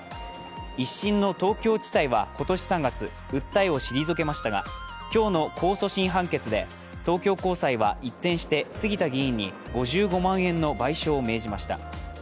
一審の東京地裁は今年３月訴えを退けましたが今日の控訴審判決で東京高裁は一転して杉田議員に５５万円の賠償を命じました。